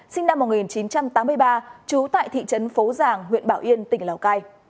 sinh năm một nghìn chín trăm tám mươi ba trú tại thị trấn phố giàng huyện bảo yên tỉnh lào cai